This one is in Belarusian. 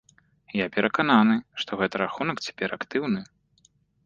Я перакананы, што гэты рахунак цяпер актыўны.